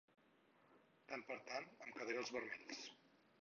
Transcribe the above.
Tant per tant, em quedaré els vermells.